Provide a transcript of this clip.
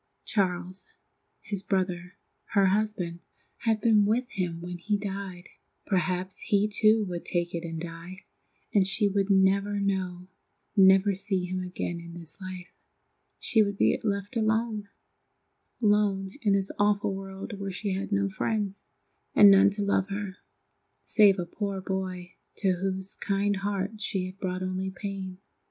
Charles, his brother, her husband, had been with him when he died. Perhaps he too would take it and die, and she would never know, never see him again in this life. She would be left alone—alone in this awful world where she had no friends, and none to love her, save a poor boy to whose kind heart she had brought only pain.